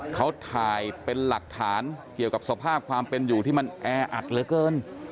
เขาถ่ายเป็นหลักฐานเกี่ยวกับสภาพความเป็นอยู่ที่มันแออัดเหลือเกิน